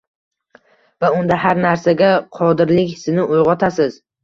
va unda har narsaga qodirlik hissini uyg‘otasiz.